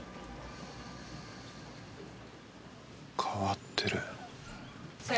変わってる。